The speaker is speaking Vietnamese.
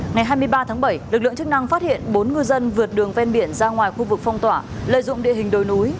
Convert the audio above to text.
ngày hai mươi ba tháng bảy lực lượng chức năng phát hiện bốn ngư dân vượt đường ven biển ra ngoài khu vực phong tỏa lợi dụng địa hình đồi núi